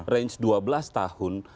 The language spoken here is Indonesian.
range dua belas tahun